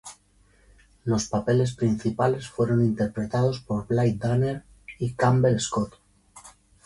Los papeles principales fueron interpretados por Blythe Danner y Campbell Scott.